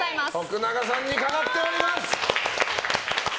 徳永さんにかかっております！